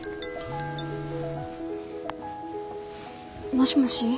もしもし。